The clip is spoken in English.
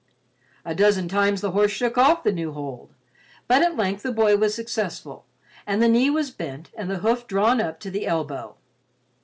A dozen times the horse shook off the new hold, but at length the boy was successful, and the knee was bent and the hoof drawn up to the elbow.